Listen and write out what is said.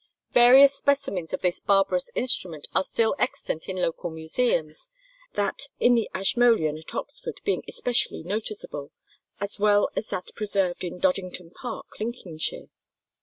Various specimens of this barbarous instrument are still extant in local museums, that in the Ashmolean at Oxford being especially noticeable, as well as that preserved in Doddington Park, Lincolnshire.